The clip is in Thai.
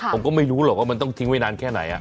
ผมก็ไม่รู้หรอกว่ามันต้องทิ้งไว้นานแค่ไหน